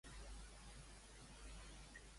Per què comenta Carrillo que va dir que sí al suborn?